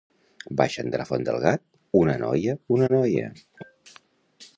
Baixant de la font del gat, una noia, una noia.